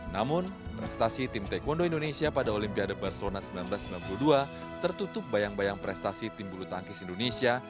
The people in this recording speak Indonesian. namun prestasi tim taekwondo indonesia pada olimpiade barcelona seribu sembilan ratus sembilan puluh dua tertutup bayang bayang prestasi tim bulu tangkis indonesia